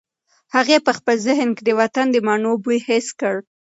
هغې په خپل ذهن کې د وطن د مڼو بوی حس کړ.